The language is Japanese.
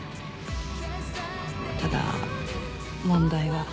ただ問題は。